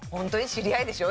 知り合いでしょ？